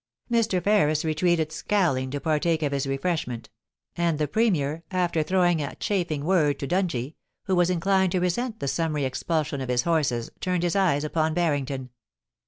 Mr. Ferris retreated scowling to partake of his refresh ment ; and the Premier, after throwing a * chaffing ' word to Dungie, who was inclined to resent the summary expulsion of his horses, turned his eyes upon Harrington.